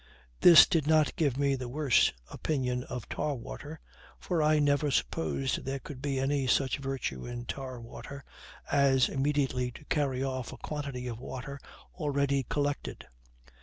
This did not give me the worse opinion of tar water; for I never supposed there could be any such virtue in tar water as immediately to carry off a quantity of water already collected.